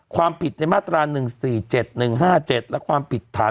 ความผิดในมาตราหนึ่งสี่เจ็ดหนึ่งห้าเจ็ดและความผิดฐาน